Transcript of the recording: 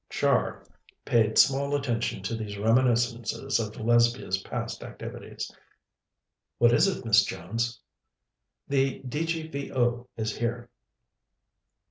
Char paid small attention to these reminiscences of Lesbia's past activities. "What is it, Miss Jones?" "The D.G.V.O. is here."